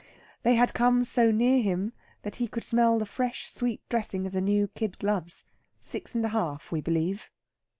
They had come so near him that he could smell the fresh sweet dressing of the new kid gloves six and a half, we believe.